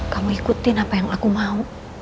kamu ikutin apa yang aku mau